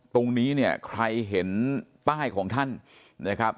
ตรงนี้เนี่ยใครเห็นป้ายของท่านนะครับ